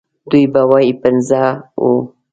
دوی به ووايي پنځه وو.